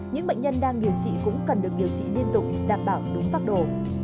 những bệnh nhân đang điều trị cũng cần được điều trị liên tục đảm bảo đúng pháp đồ